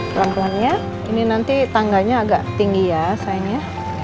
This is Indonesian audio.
pelan pelannya ini nanti tangganya agak tinggi ya sayangnya